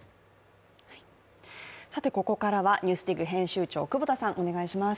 ここからは「ＮＥＷＳＤＩＧ」編集長久保田さん、お願いします。